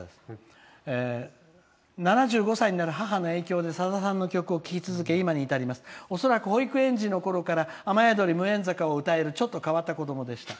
「７５歳になる母の影響でさださんの曲を聴き続け今に至ります、恐らく保育園児のころから「雨やどり」「無縁坂」を歌えるちょっと変わった子どもでした。